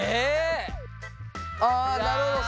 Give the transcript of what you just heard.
あなるほど。